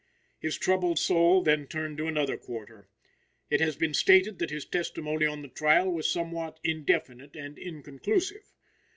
His troubled soul then turned to another quarter. It has been stated that his testimony on the trial was somewhat indefinite and inconclusive.